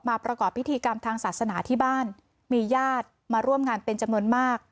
ประกอบพิธีกรรมทางศาสนาที่บ้านมีญาติมาร่วมงานเป็นจำนวนมาก